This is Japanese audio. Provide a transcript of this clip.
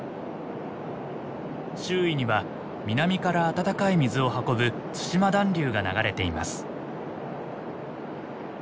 周囲には南からあたたかい水を運ぶ対馬暖流が流れています。